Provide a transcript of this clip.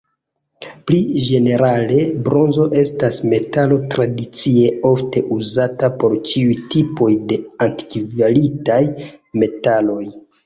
Pli ĝenerale, bronzo estas metalo tradicie ofte uzata por ĉiuj tipoj de altkvalitaj medaloj.